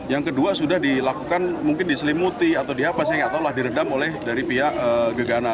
yang kedua sudah dilakukan mungkin diselimuti atau di apa saya nggak tahu lah diredam oleh dari pihak gegana